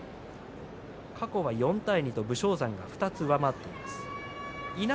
過去４対２と武将山が２つ上回っています。